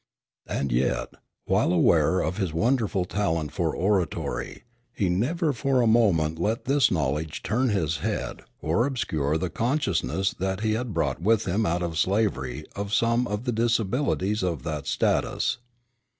And yet, while aware of his wonderful talent for oratory, he never for a moment let this knowledge turn his head or obscure the consciousness that he had brought with him out of slavery of some of the disabilities of that status.